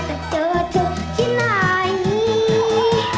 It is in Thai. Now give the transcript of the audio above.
แต่เจอเธอที่ไหน